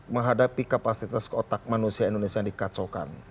menghadapi kapasitas kotak manusia indonesia yang dikacaukan